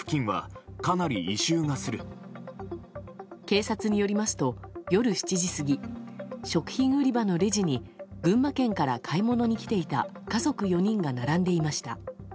警察によりますと夜７時過ぎ食品売り場のレジに群馬県から買い物に来ていた家族４人が並んでいました。